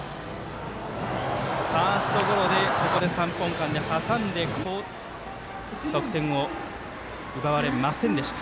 ファーストゴロでこちら三本間で、はさんで得点を奪われませんでした。